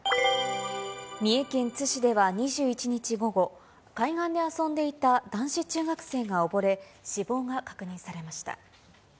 三重県津市では２１日午後、海岸で遊んでいた男子中学生が溺れ、死亡が確認されました。